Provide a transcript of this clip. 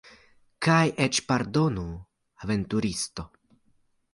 Kaj eĉ, pardonu, aventuristo.